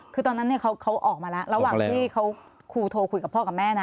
คือตอนนั้นเขาออกมาแล้วระหว่างที่เขาครูโทรคุยกับพ่อกับแม่นะ